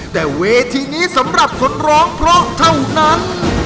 แต่เวทีนี้สำหรับคนร้องเพราะเท่านั้น